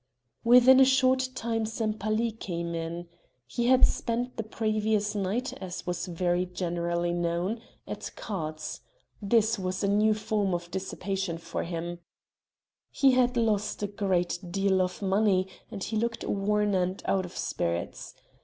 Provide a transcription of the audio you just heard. Within a short time Sempaly came in. He had spent the previous night, as was very generally known, at cards this was a new form of dissipation for him he had lost a great deal of money, and he looked worn and out of spirits.